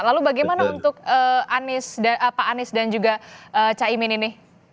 lalu bagaimana untuk pak anies dan juga caimin ini